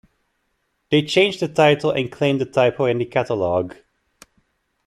They changed the title and claimed a typo in the catalog.